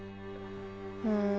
うん。